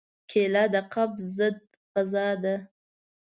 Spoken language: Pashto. کېله د قبض ضد غذا ده.